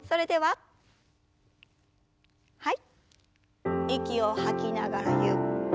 はい。